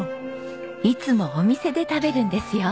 いつもお店で食べるんですよ。